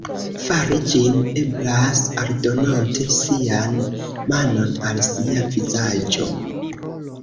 Fari ĝin eblas aldonante sian manon al sia vizaĝo.